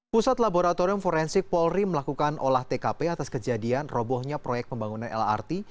pusat laboratorium forensik polri melakukan olah tkp atas kejadian robohnya proyek pembangunan lrt